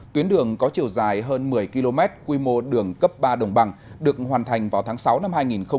tuyến đường có chiều dài hơn một mươi km quy mô đường cấp ba đồng bằng được hoàn thành vào tháng sáu năm hai nghìn một mươi chín